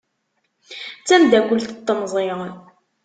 D tameddakelt n temẓi.